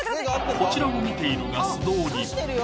こちらを見ているが素通り